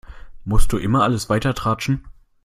Musst du immer alles weitertratschen?